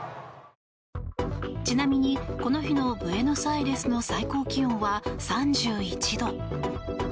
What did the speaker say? ちなみにこの日のブエノスアイレスの最高気温は３１度。